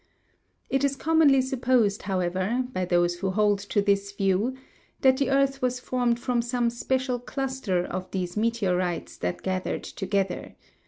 It is commonly supposed, however, by those who hold to this view, that the earth was formed from some special cluster of these meteorites that gathered together.